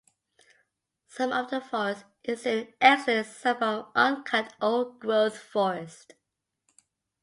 Some of the forest is an excellent example of uncut old-growth forest.